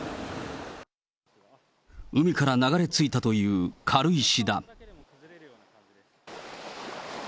海から流れ着いたという軽石だ。